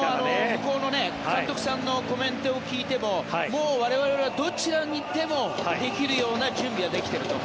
向こうの監督さんのコメントを聞いても我々はどちらでもできるような準備はできていると。